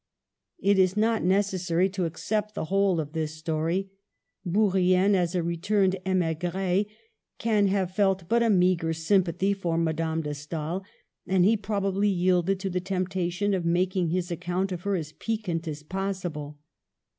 It is not necessary to accept the whole of this story. Bourrienne as a returned tmigrt can have felt but a meagre sympathy for Madame de Stael, and he probably yielded to the temptation of making his account of her as piquant as possible.